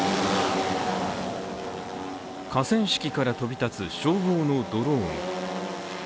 河川敷から飛び立つ、消防のドローン。